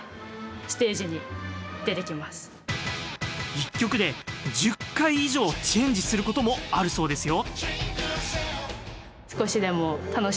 １曲で１０回以上チェンジすることもあるそうですよ。